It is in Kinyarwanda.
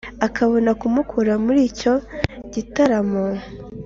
akabona kumukura muri icyo gitaramo